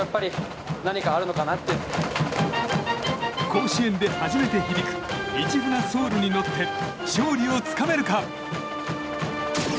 甲子園で初めて響く「市船ｓｏｕｌ」に乗って勝利をつかめるか。